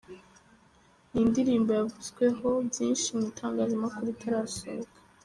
Ni indirimbo yavuzweho byinshi mu itangazamakuru itarasohoka.